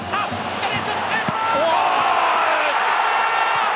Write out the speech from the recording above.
左足、シュート！